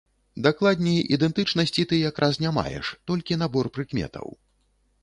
Дакладней, ідэнтычнасці ты якраз не маеш, толькі набор прыкметаў.